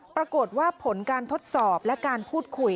ปรากฏว่าผลการทดสอบและการพูดคุย